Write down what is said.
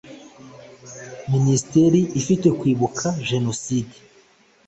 Minisiteri ifite kwibuka jenoside